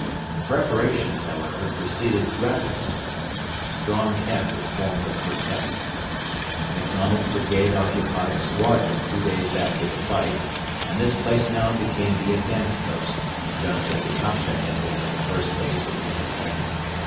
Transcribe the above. The preparations, however, proceeded rapidly. A strong camp was formed at Firket. MacDonald's brigade occupied Suarda two days after the fight, and this place now became the advanced post, just as Akasha had been in the first phase of the campaign.